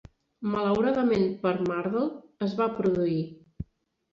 Malauradament per Mardle, es va produir.